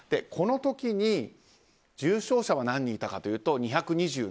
この時に重症者は何人いたかというと２２７人。